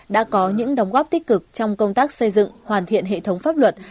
đã có những đóng góp tích cực trong công tác xây dựng hoàn thiện hệ thống pháp luật